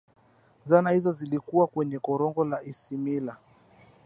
zana hizo zilikuwa kwenye korongo la isimila